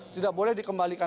tidak boleh dikembalikan